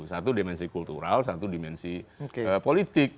satu dimensi kultural satu dimensi politik